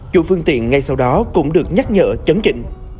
chủ phương tiện ngay sau đó cũng được nhắc nhở chấn chỉnh